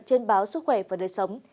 trên báo sức khỏe và đời sống